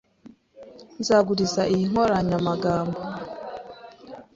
Nzaguriza iyi nkoranyamagambo.